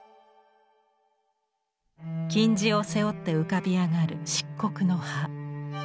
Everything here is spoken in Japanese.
金地を背負って浮かび上がる漆黒の葉。